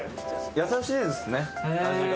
やさしいですね、味が。